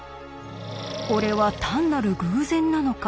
これは単なる偶然なのか？